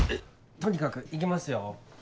とにかく行きますよ。